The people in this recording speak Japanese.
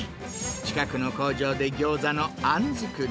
近くの工場でギョーザのあん作り。